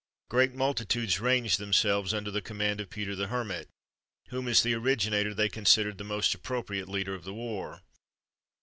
Great multitudes ranged themselves under the command of Peter the Hermit, whom, as the originator, they considered the most appropriate leader of the war.